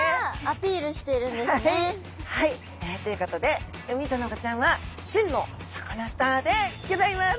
アピールしてるんですね！ということでウミタナゴちゃんは真のサカナスターでギョざいます！